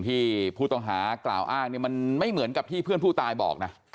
ที่ผู้ต้องหากล่าวอ้างมันไม่เหมือนกับที่เพื่อนผู้ตายบอกนะ